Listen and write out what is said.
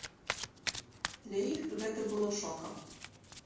Для іх гэта было шокам.